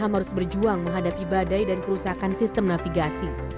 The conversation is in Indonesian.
harus berjuang menghadapi badai dan kerusakan sistem navigasi